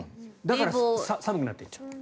寒くなっていっちゃう。